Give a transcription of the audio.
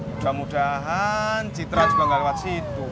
mudah mudahan citra juga gak lewat situ